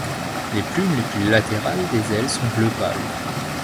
Les plumes les plus latérales des ailes sont bleu pâle.